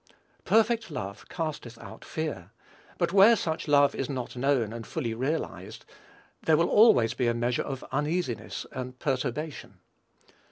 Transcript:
"Perfect love casteth out fear;" but where such love is not known and fully realized, there will always be a measure of uneasiness and perturbation.